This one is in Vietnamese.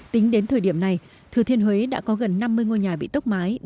tính đến thời điểm này thừa thiên huế đã có gần năm mươi ngôi nhà bị tốc mái